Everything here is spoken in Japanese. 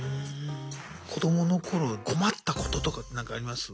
子どもの頃困ったこととかって何かあります？